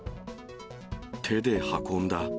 手で運んだ。